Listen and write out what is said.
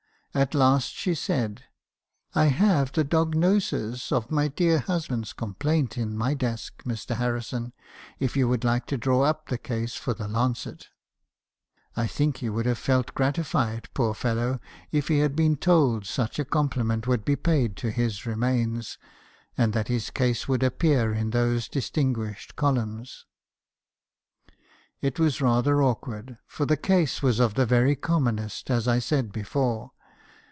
At last she said — "'I have the "dognoses" of my dear husband's Complaint in my desk , Mr. Harrison , if you would like to draw up the case for the "Lancet." I think he would have felt gratified, poor fellow, if he had been told such a compliment would be paid to his remains, and that his case should appear in those dis tinguished columns.' "It was rather awkward; for the case was of the very com monest, as I said before.